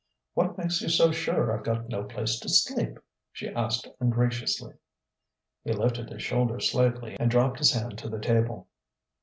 "What makes you so sure I've got no place to sleep?" she asked ungraciously. He lifted his shoulders slightly and dropped his hand to the table.